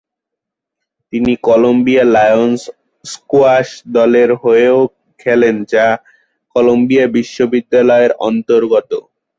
তিনি Colombia Lions squash দলের হয়েও খেলেন যা কলম্বিয়া বিশ্ববিদ্যালয়ের অন্তর্গত।